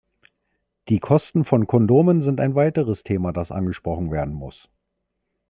Die Kosten von Kondomen sind ein weiteres Thema, das angesprochen werden muss.